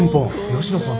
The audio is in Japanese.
吉野さん